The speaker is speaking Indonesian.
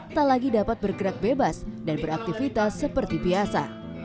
tak lagi dapat bergerak bebas dan beraktivitas seperti biasa